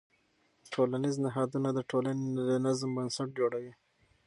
ټولنیز نهادونه د ټولنې د نظم بنسټ جوړوي.